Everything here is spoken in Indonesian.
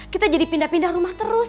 kita jadi pindah pindah rumah terus